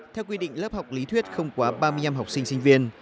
theo quy định lớp học lý thuyết không quá ba mươi năm học sinh sinh viên